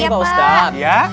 ini pak ustadz